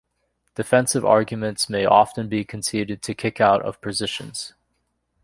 Defensive arguments may often be conceded to "kick out" of positions.